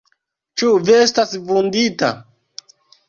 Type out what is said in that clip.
Ĉu Vi estas vundita?